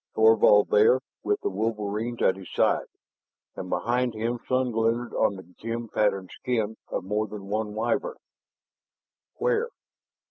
Thorvald there, with the wolverines at his side. And behind him sun glinted on the gem patterned skin of more than one Wyvern. "Where?"